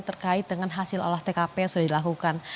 terkait dengan hasil olah tkp yang sudah dilakukan